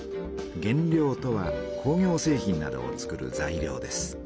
原料とは工業製品などをつくる材料です。